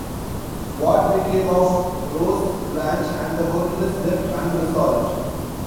What became of Rose, Blanche, and the hotel is left unresolved.